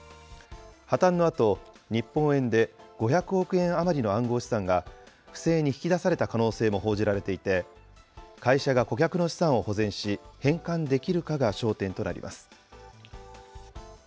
破綻のあと、日本円で５００億円余りの暗号資産が、不正に引き出された可能性も報じられていて、会社が顧客の資産を保全し、返還できるかが焦点となります。